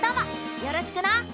よろしくな！